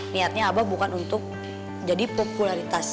niatnya abah bukan untuk jadi popularitas